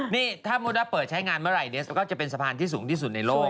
นี่ถ้ามุติว่าเปิดใช้งานเมื่อไหร่เนี่ยก็จะเป็นสะพานที่สูงที่สุดในโลก